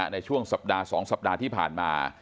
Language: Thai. ในช่วงสัปดาห์๒สัปดาห์ที่ผ่านมา